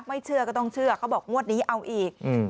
เชื่อก็ต้องเชื่อเขาบอกงวดนี้เอาอีก